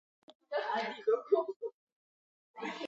ვოკალისტი ბონო და დრამერი ლარი მალენი სიმღერაში ბეკ-ვოკალებს ასრულებენ.